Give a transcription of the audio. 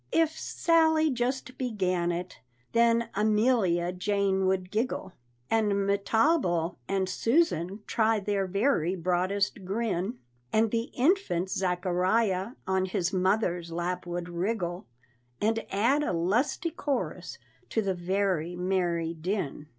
If Sally just began it, then Amelia Jane would giggle, And Mehetable and Susan try their very broadest grin; And the infant Zachariah on his mother's lap would wriggle, And add a lusty chorus to the very merry din.